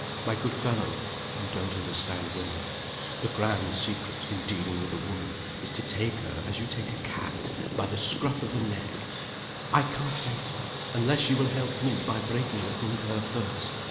My good fellow, you don't understand women. The grand secret, in dealing with a woman, is to take her as you take a cat, by the scruff of the neck " "I can't face her unless you will help me by breaking the thing to her first.